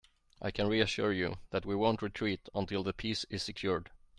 I can reassure you, that we won't retreat until the peace is secured.